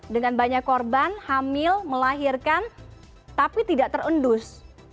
dengan banyak korban hamil melahirkan tapi tidak terendus